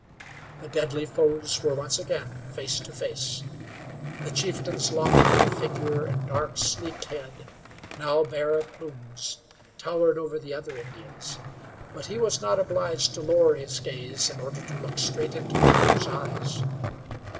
The deadly foes were once again face to face. The chieftain's lofty figure and dark, sleek head, now bare of plumes, towered over the other Indians, but he was not obliged to lower his gaze in order to look straight into the hunter's eyes.